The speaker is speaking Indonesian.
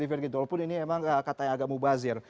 walaupun ini memang kata yang agak mubazir